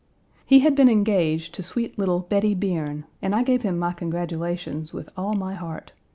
He had been engaged to sweet little Bettie Bierne, and I gave him my congratulations with all my heart.